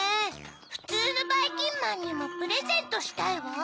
ふつうのばいきんまんにもプレゼントしたいわ。